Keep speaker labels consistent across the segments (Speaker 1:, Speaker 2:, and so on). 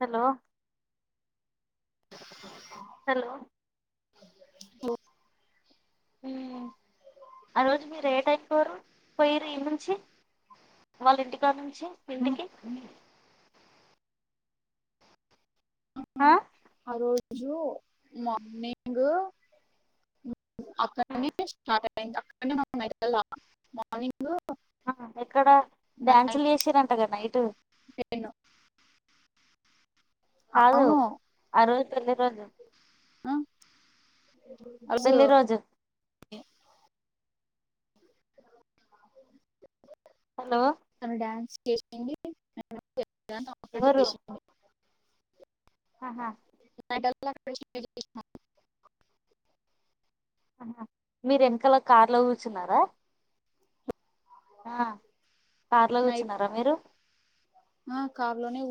Speaker 1: Hello hello
Speaker 2: ఓ
Speaker 1: హు ఆ రోజు మీరు లేట్ అయిపోరు పోయిరు ఈడ నుంచి వాళ్ళ ఇంటికాడ నుంచి మీ ఇంటికి ఆ
Speaker 2: ఆ రోజు మార్నింగ్ అక్కడనే స్టార్ట్ అయనం అడ మన మార్నింగ్
Speaker 1: హు ఎక్కడ
Speaker 2: నైన్
Speaker 1: డ్యాన్సులు చేసార్రు అంటా కదా నైటు
Speaker 2: టెన్
Speaker 1: కాదు
Speaker 2: అవును
Speaker 1: ఆ రోజు పెళ్లి రోజు
Speaker 2: ఆ రోజు
Speaker 1: హలో
Speaker 2: అ డ్యాన్స్ చేసి [unintelligible] [unintelligible]
Speaker 1: ఎవరు
Speaker 2: చేసినం
Speaker 1: ఆహా
Speaker 2: [unintelligible]
Speaker 1: మీరు వెనకలో కార్లో కూర్చున్నారా ఆ కార్లో
Speaker 2: నైట్
Speaker 1: కూర్చున్నారా మీరు
Speaker 2: ఆ కార్ లోనే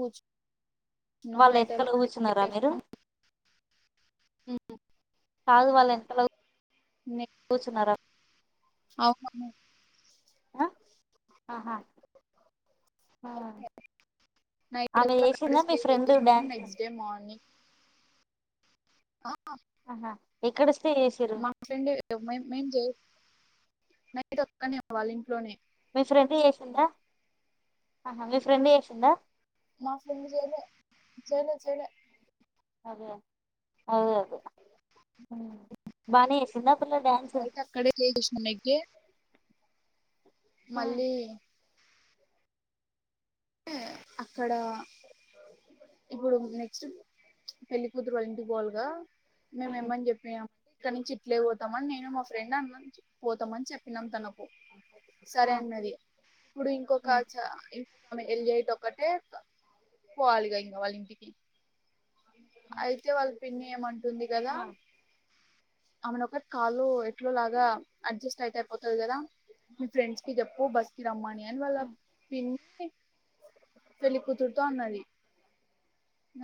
Speaker 2: కూర్చున్నాం
Speaker 1: వాళ్ళు
Speaker 2: నైట్
Speaker 1: వెనకాల
Speaker 2: అల్లా అక్కడ
Speaker 1: కూర్చున్నారా
Speaker 2: చేసినాం.
Speaker 1: మీరు కాదు వాళ్ళ వెనకాల కూర్చున్నారా
Speaker 2: [unintelligible]
Speaker 1: ఆ ఆహా
Speaker 2: నైట్
Speaker 1: ఆమె
Speaker 2: [unintelligible]
Speaker 1: చేసిందా మీ friend dance
Speaker 2: next day morning
Speaker 1: ఆహా ఎక్కడ స్టే చేసిరు
Speaker 2: మా ఫ్రెండ్ మేము చేయ నైట్ అక్కడనే వాళ్ళ ఇంట్లోనే
Speaker 1: మీ ఫ్రెండ్ చేసిందా ఆహా మీ ఫ్రెండ్ చేసిందా
Speaker 2: మా ఫ్రెండ్ చేయలే చెలే చెలే
Speaker 1: అదే అదే అదే హు బాగానేసింద ఆ పిల్ల డ్యాన్స్
Speaker 2: నైట్ అక్కడే స్టే చేసినాం నెక్స్ట్ డే
Speaker 1: ఉమ్,
Speaker 2: మళ్ళీ అక్కడ ఇప్పుడు నెక్స్ట్ పెళ్లి కూతురు వాళ్ళ ఇంటి కి పోవాలిగా మేము
Speaker 1: ఉమ్,
Speaker 2: ఏమని చెప్పినాం ఇక్కడ నుంచి ఇట్లే పోతామని నేను మా ఫ్రెండ్ అన్న పోతామని చెప్పినాం తనకు
Speaker 1: ఆ,
Speaker 2: సరే అందిమరి ఇప్పుడు ఇంకొక
Speaker 1: ఉమ్,
Speaker 2: చాన్ ఇప్ప్ ఆమె ఎల్ ఎయిట్ ఒక్కటే పోవాలిగా ఇంకా వాళ్ళ ఇంటికి అయితే వాళ్ళు పిన్ని ఏమంట్ ఉంటుంది కదా
Speaker 1: ఆ,
Speaker 2: అమెన ఒకటి కాలు ఎట్లో లాగా అడ్జస్ట్ అయితే పోతంది కదా మీ ఫ్రెండ్స్ కి చెప్పు బస్ కి రమని అని వల్ల
Speaker 1: ఉమ్.
Speaker 2: పిన్ పెళ్లి కూతురుతో అన్నది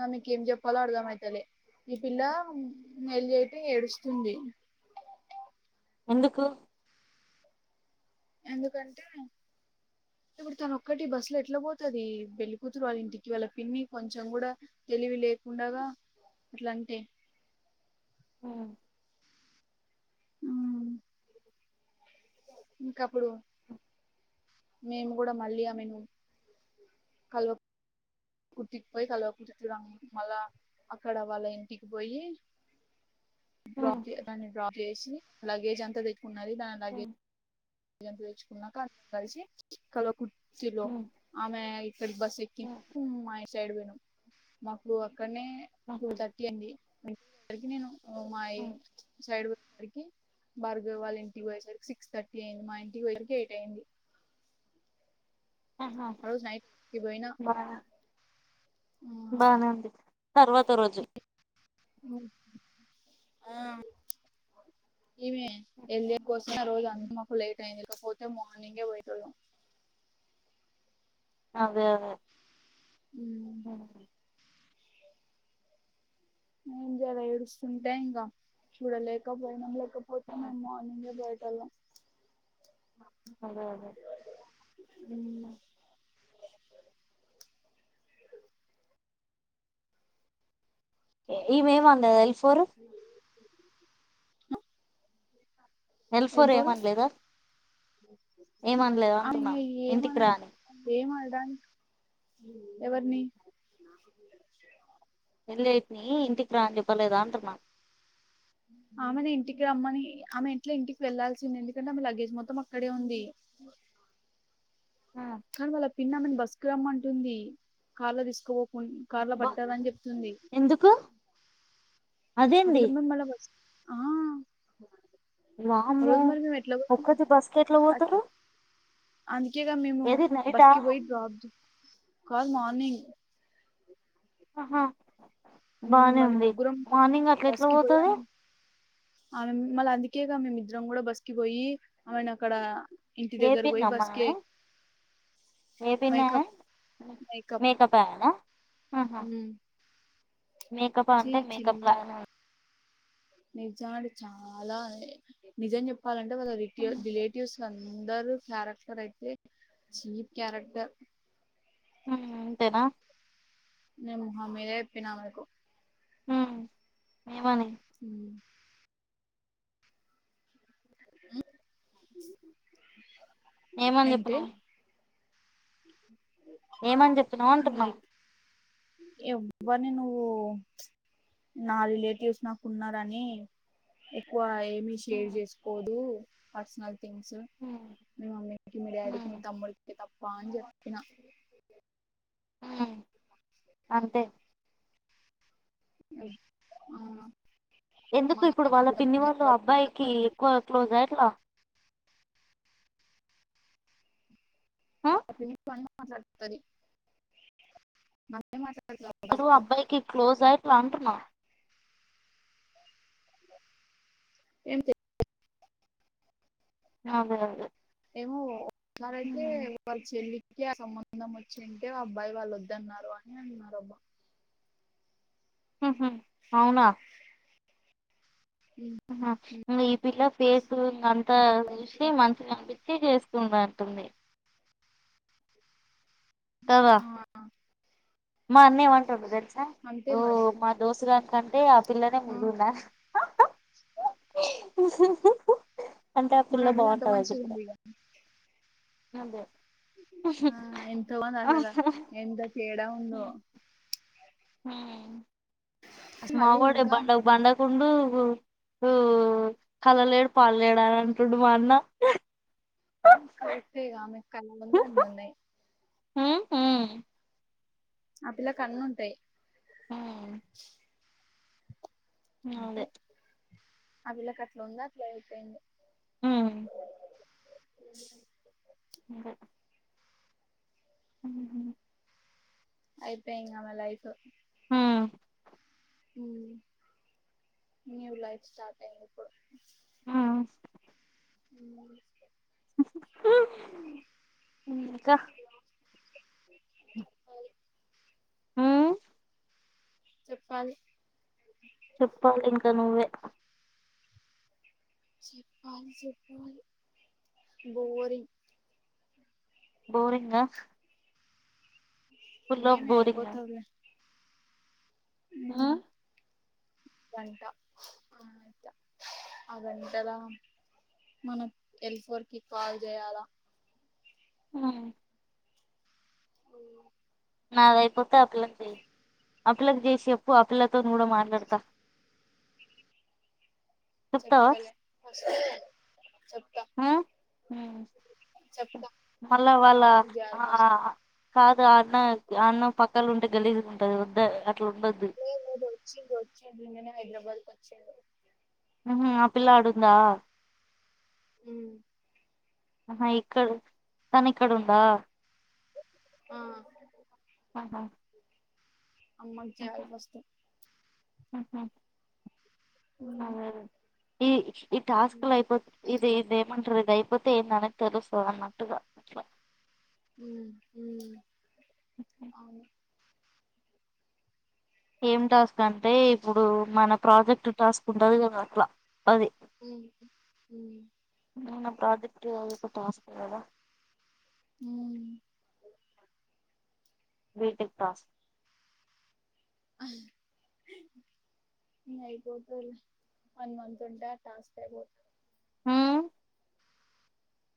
Speaker 2: ఆ మీకేం చెప్పాలో అర్ధం అయితలే ఈ పిల్ల మాల్యటి ఏడుస్తుంది
Speaker 1: ఎందుకు
Speaker 2: ఎందుకంటే ఇప్పుడు తన ఒక్కటి బస్సు లో ఎట్లా పోతుది పెళ్ళి కూతురు వాళ్ళ ఇంటికి వాళ్ళ పిన్ని కొంచెం కూడా తెలివి లేకుండగా ఇట్లాంటే
Speaker 1: హమ్
Speaker 2: ఇంకప్పుడు మేము కూడా మళ్ళీ ఆమెను కల్వామ్ కుర్తికిపోయి కలవము చూడం మళ్ళ అక్కడ వాళ్ళ ఇంటికి పోయి డ్రాప్ చే ఆన్ డ్రాప్ చేసి లగేజ్ అంత తెచ్ కునది దన్ లగేజ్ తెచ్చుకున్నాక కలిసి కలువ పు చలో అమె ఇక్కడ బస్ ఎక్కి మా ఇంట్ సైడ్ పోయిన మాకు అక్కడనే టూ థర్టీ అయ్యింది రి రికి నేను ఒమయ్యి సైడ్ వ రికీ భార్గవాల్ ఇంటి బోయేసరికి సిక్స్ థర్టీ నేను మా ఇంటి వోయ్కి ఎయిట్ అయింది ఆ రోజు నైట్ కి పోయిన
Speaker 1: బా బానే ఉంది తర్వాత రోజు
Speaker 2: ఆ ఇమె వెళ్ద కోసం ఆ రోజు అందు మాకు లేట్ అయింది ఇకపోతే మార్నింగే పోయేటోలం
Speaker 1: అదే అదే
Speaker 2: ఉ
Speaker 1: హ్మ్
Speaker 2: ఏం చేయాలా ఏడుస్తుంటే ఇంకా చూడలేక పోయినా లేకపోతే
Speaker 1: ఆ,
Speaker 2: మేము మార్నింగ్ బయల్ ఛాలా
Speaker 1: అదే అదే
Speaker 2: హ్మ్
Speaker 1: ఉమ్. ఈమె ఎమ్మండో తెలుస్ పోరు ఎల్ ఫర్
Speaker 2: వెళ్ళిపోరు
Speaker 1: ఏమనలేదా ఏమనలేద
Speaker 2: ఆమె ఇంగ
Speaker 1: అంటున్నా
Speaker 2: ఏమన
Speaker 1: ఇంటికి రా అని
Speaker 2: ఎవరిని
Speaker 1: వెళ్ళట్ని ఇంటికి రా అని చెప్పలేదా అంటున్నా
Speaker 2: ఆమెను ఇంటికి రమ్మని, ఆమె ఇంట్లో ఇంటికి వెళ్లాల్సింది ఎందుకంటే ఆమె లగేజ్ మొత్తం అక్కడే ఉంది.
Speaker 1: ఆ,
Speaker 2: కాన మల్ పిన్నమెను బసుకు రమ్మంటుంది కాళ్లో తీసుకో న్ కార్లో
Speaker 1: బా
Speaker 2: పట్టరని చెప్తుంది
Speaker 1: ఎందుకు అదేంది
Speaker 2: అందులోనూ మల్ల బస్ ఆ ఆ
Speaker 1: వామ్మో
Speaker 2: రోజు మరి మేము ఎట్లా
Speaker 1: ఒక్కది బస్ కెట్లు పోతరు
Speaker 2: అందుకేక మేము బాస్క్ పోయి ప కాదు మార్నింగ్
Speaker 1: ఆహా బానే
Speaker 2: మిమ్మల్ని
Speaker 1: ఉంది
Speaker 2: ముగ్గురం
Speaker 1: మార్నింగ్ అట్ల
Speaker 2: బస్
Speaker 1: ఎట్లా
Speaker 2: కి పోయి
Speaker 1: పోతది
Speaker 2: ఆమె ఆమె మళ్ళ అందుకేగా మేముమిద్దరం కూడా బస్ కి పోయి ఆమెను అక్కడ ఇంటి దగ్గరకి పోయి
Speaker 1: ఏపీనమ్మా
Speaker 2: బస్కే
Speaker 1: ఏ పిన్నా
Speaker 2: మేకప్
Speaker 1: మేకప్ వేయాల ఆహా, మేకప్ అంటే మేకప్ కావాలన
Speaker 2: నిజాడే చాలా నిజం చెప్పాలం టే గద రిక్లే
Speaker 1: ఉమ్
Speaker 2: రిలేటివ్స్ అందరు క్యారెక్టర్ అయితే చీప్ క్యారెక్టర్
Speaker 1: మ్మ్ అంతేనా
Speaker 2: మేం హమీద యేప్పి నామనకు
Speaker 1: హ్మ్ ఏమని
Speaker 2: మ్మ్ ప్చ్
Speaker 1: ఏమని చెప్పను ఏమని చెప్పినా అంటున్నా
Speaker 2: లైక్ ఎవ్వరిని నువ్వు ప్చ్ నా రిలేటివ్స్ నాకు ఉన్నారు అని ఎక్కువ, మీ
Speaker 1: ఉమ్
Speaker 2: షేర్ చేసుకోదు అర్సనల్ గ్స్
Speaker 1: ఉమ్
Speaker 2: మీ మమ్మీకి మీ డాడీకి
Speaker 1: ఉమ్
Speaker 2: మీ తమ్ముడికి తప్పు పాజ త
Speaker 1: మ్ అంతే
Speaker 2: ఆ మా
Speaker 1: ఎందుకు ఇప్పుడు వాళ్ళ పిన్ని వాళ్ళు అబ్బాయికి ఎక్కువ క్లోజ్ అ ఎట్లా ఆ
Speaker 2: బ [inaudible] [unintelligible] మ మా
Speaker 1: నాలు అబ్బాయికి క్లోజ్ అయి అంటున్నా
Speaker 2: ఏ చే
Speaker 1: అదే అద
Speaker 2: ఏమో ఎరైతే వల్లా చెల్వి కి అకి ఆ సంబంధం వచ్చింటే అబ్బాయి వాళ్ళు వద్దన్నారు అని అంటున్నారు అబ్బా
Speaker 1: అవునా
Speaker 2: ఉమ్,
Speaker 1: ఇ ఈ పిల్ల పేస్ అంతా
Speaker 2: ఇంకా
Speaker 1: చూసి మంచిగా కనిపించి చేస్తుంటను తమ్ కదా
Speaker 2: ఆ,
Speaker 1: మా అన్న ఏమంటుండు తెలుసా
Speaker 2: అంతే
Speaker 1: ఓ
Speaker 2: మరి
Speaker 1: మా దోస్త్ గాని కంటే ఆ పిల్లనే
Speaker 2: ఆ,
Speaker 1: ముద్దుగున్నది [unintelligible] అంటే ఆ
Speaker 2: మరి
Speaker 1: పిల్ల
Speaker 2: అవి అంత
Speaker 1: బాగుంటది అని
Speaker 2: మంచిగా
Speaker 1: చెప్పిన
Speaker 2: ఉంది ఇక
Speaker 1: అదే
Speaker 2: ఆ ఎంతో మంది ఆసలు ఎంత తేడా ఉందో
Speaker 1: హ
Speaker 2: అసలు మళ్ళీ
Speaker 1: మావొడే
Speaker 2: ఇంకా
Speaker 1: బండక బండకుండు కల లేడు పాడు లేడా అని అంటుండు మా అన్న
Speaker 2: కవిస్తే గా ఆమె అందంగా వుం [unintelligible]
Speaker 1: మ్ హ
Speaker 2: ఆ పిల్లకు అన్నుంటాయి
Speaker 1: ఉ అదే
Speaker 2: అంతే ఆ వీళ్లకి అట్లా ఉందా ఇట్లా అయిపోయింది
Speaker 1: హ [unintelligible]
Speaker 2: అయిపోయింద ఆమె లైఫ్
Speaker 1: హ
Speaker 2: న్యూ లైఫ్ స్టార్ట్ అయిందిప్పుడు
Speaker 1: ఆ
Speaker 2: ఉ
Speaker 1: [unintelligible] ఇంకా
Speaker 2: చెప్పాలి
Speaker 1: హ్మ్
Speaker 2: చెప్పాలి
Speaker 1: చెప్పాలి ఇంకా నువ్వే
Speaker 2: చెప్పాలి చెప్పాలి బోరింగ్
Speaker 1: బోరింగ్ ఆ ఫుల్ ఆఫ్
Speaker 2: మేమే అయిపోతావులే.
Speaker 1: ఆ
Speaker 2: గంట అయి ఆ గంటలా మనం ఎల్ ఫోర్ కి కాల్ చేయాలా.
Speaker 1: ఆ
Speaker 2: మ్
Speaker 1: నాది అయిపో చాకలెట్ చేయి అపిల్లకు చేసి చెప్పు ఆపిల్లతోని కూడా మాట్లాడతా. చెప్తావా
Speaker 2: చెప్తలే ఆ సరే
Speaker 1: ఆ ఉ
Speaker 2: చెప్తా
Speaker 1: మళ్ళా వాళ్ళ
Speaker 2: అమ్మకి చేయాలి
Speaker 1: ఆ
Speaker 2: ఫస్ట్
Speaker 1: కాదు అన్న అన్నం పక్కల ఉంటే గలిజ్ [unintelligible]
Speaker 2: నేను ఈరోజు వచ్చి నిన్ననే హైదరాబద్ కి చెదే
Speaker 1: ఆ పిల్లా ఆడుందా
Speaker 2: ఉ
Speaker 1: అ ఇక్కడ తను ఇక్కడ ఉందా.
Speaker 2: ఆ
Speaker 1: ఆహా
Speaker 2: అమ్మకి చేయాలి ఫస్ట్.
Speaker 1: ఆహా
Speaker 2: ఉమ్
Speaker 1: అవును ఈ ఈ టాస్క్ అయిపోతు ఇది ఇది ఏమంటారుది దైపోతే ఏంటనే తెలుస్తుదం మట్టులే
Speaker 2: ఊ ఊ అవును
Speaker 1: ఏం టాస్క్ అంటే ఇప్పుడు మన ప్రాజెక్ట్ టాస్క్ ఉంటది కదా అట్లా అది.
Speaker 2: ఊ ఊ
Speaker 1: నువ్వు నా ప్రాజెక్ట్వ టాస్క్ కదా
Speaker 2: ఊ
Speaker 1: బీటిక్ టాస్క్
Speaker 2: అయిపోదు వన్ మంత్ ఉంటా టాస్క్ అయిపోతు
Speaker 1: ఆ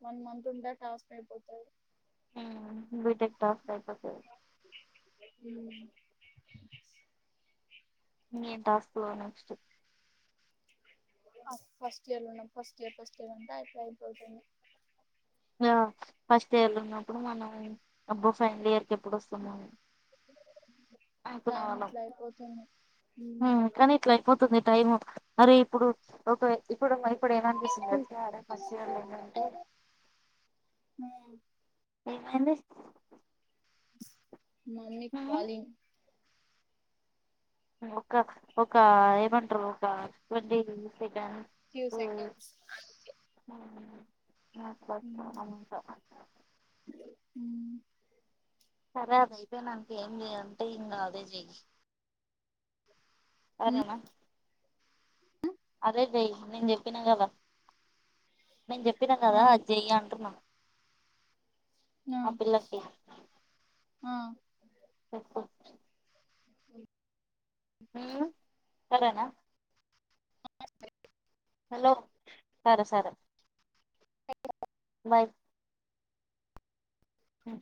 Speaker 2: వన్ మంత్ ఉంటే టాస్క్ అయిపోతది
Speaker 1: ఉమ్ బీటెక్ టాస్క్ అయిపోతది
Speaker 2: ఉ
Speaker 1: ఇంగేమ్ టాస్క్లో నెక్స్ట్
Speaker 2: ఫస్ట్ ఇయర్లో ఉన్నాం ఫస్ట్ ఇయర్ ఫస్ట్ ఇయర్ అంతా అయిపోతున్
Speaker 1: ఫస్ట్ ఇయర్ లో ఉన్నప్పుడు మనం అబ్బో ఫైన్లీ ఇయర్ ఎప్పుడు వస్తుందా అని అనుకునే
Speaker 2: టైం
Speaker 1: వాళ్ళం
Speaker 2: ఇట్లా అయిపోతుంది
Speaker 1: ఆ కానీ ఇట్లా అయిపోతుంది టైమ్ మరి ఇప్పుడు ఒకవే ఇప్పుడు ఇప్పుడు ఏమనిపిస్తుంది తెలుసా అరే ఫస్ట్ ఇయర్ ఏంటంటే
Speaker 2: హో
Speaker 1: ఏమైంది
Speaker 2: మమ్మీ
Speaker 1: ఉమ్
Speaker 2: కాలింగ్
Speaker 1: ఒక ఒక ఏమంటరు ఒక ట్వంటీ సెకండ్స్
Speaker 2: ఫ్యూ సెకండ్స్ అందుకే
Speaker 1: [unintelligible] సరే అదయితే నాకు ఏం చేయంటే ఇంగ అదే చెయ్యి సరేనా అదే చేయ్ నేను చెప్పినా కదా నేను చెప్పినా
Speaker 2: ఆ
Speaker 1: కదా అది చెయ్ అంటున్నాను ఆ పిల్లకి
Speaker 2: ఆ
Speaker 1: ఒ ఓ హు సరేనా
Speaker 2: ఓ
Speaker 1: హలో సరే సరే
Speaker 2: ఆ
Speaker 1: బై హు